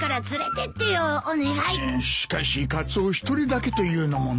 しかしカツオ一人だけというのもなあ。